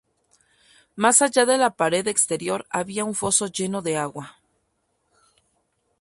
Más allá de la pared exterior había un foso lleno de agua.